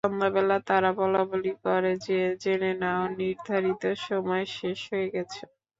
সন্ধ্যাবেলা তারা বলাবলি করে যে, জেনে নাও, নির্ধারিত সময় শেষ হয়ে গেছে।